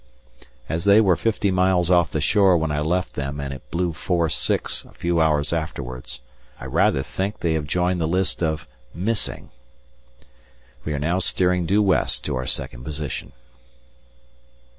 As they were fifty miles off the shore when I left them and it blew force six a few hours afterwards, I rather think they have joined the list of "Missing." We are now steering due west to our second position.